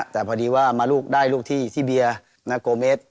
แต่พอดีว่ามาได้ลูกที่เบียร์โกเมส